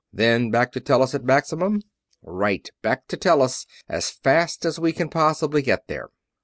"Then back to Tellus at maximum?" "Right back to Tellus, as fast as we can possibly get there."